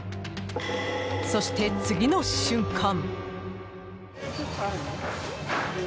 そして、次の瞬間。